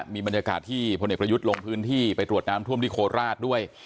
มีบรรยากาศที่พลเอกประยุทธ์ลงพื้นที่ไปตรวจน้ำท่วมที่โคราชด้วย